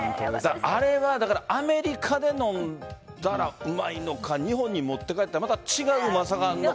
あれはアメリカでだから飲んだらうまいのか日本にいたらまた違ううまさがあるのか。